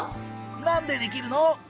なんでできるの？